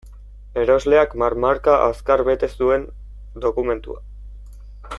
Erosleak marmarka, azkar bete zuen dokumentua.